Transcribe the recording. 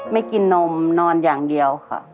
กินนมนอนอย่างเดียวค่ะ